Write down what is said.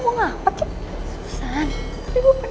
ibu penasaran emang siapa sih yang digoncengin sama roman